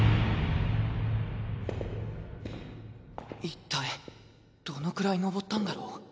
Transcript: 一体どのくらい昇ったんだろう？